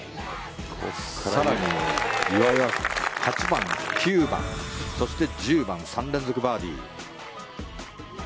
更に岩井は８番、９番、そして１０番３連続バーディー。